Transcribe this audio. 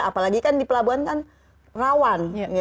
apalagi kan di pelabuhan kan rawan